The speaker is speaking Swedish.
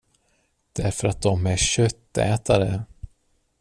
Därför att de är köttätare.